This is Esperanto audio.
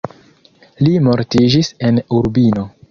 Li mortiĝis en Urbino.